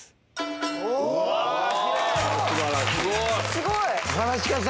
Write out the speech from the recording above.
すごい！